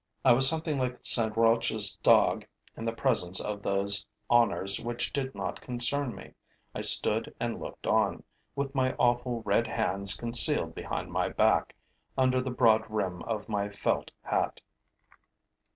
I was something like St. Roch's dog in the presence of those honors which did not concern me. I stood and looked on, with my awful red hands concealed behind my back, under the broad brim of my felt hat.